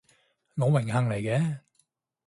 我榮幸嚟嘅